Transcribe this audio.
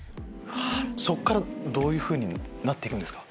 そっからどういうふうになって行くんですか？